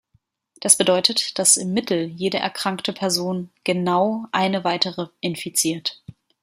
Das bedeutet, dass im Mittel jede erkrankte Person "genau" eine weitere infiziert.